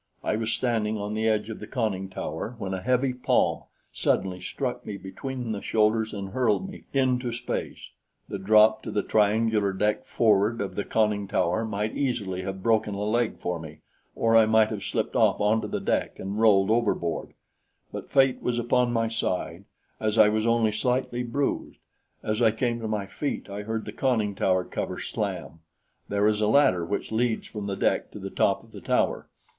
I was standing on the edge of the conning tower, when a heavy palm suddenly struck me between the shoulders and hurled me forward into space. The drop to the triangular deck forward of the conning tower might easily have broken a leg for me, or I might have slipped off onto the deck and rolled overboard; but fate was upon my side, as I was only slightly bruised. As I came to my feet, I heard the conning tower cover slam. There is a ladder which leads from the deck to the top of the tower.